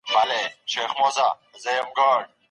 ايا هغوی ټولنيزې پديدې وڅېړلې؟